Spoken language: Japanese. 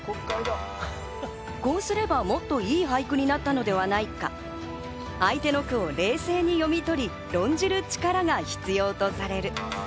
こうすればもっといい俳句になったのではないか、相手の句を冷静に読み取り、論じる力が必要とされる。